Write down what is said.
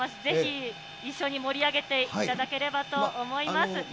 ぜひ一緒に盛り上げていただければと思います。